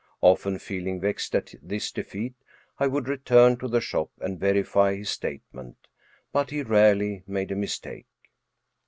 Often feeling vexed at this defeat, I would return to the shop and verify his statement, but he rarely made a mistake.